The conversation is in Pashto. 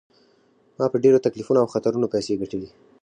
ما په ډیرو تکلیفونو او خطرونو پیسې ګټلي.